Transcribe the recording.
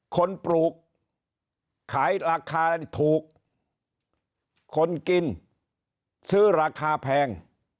ปลูกขายราคาถูกคนกินซื้อราคาแพง